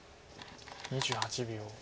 ２８秒。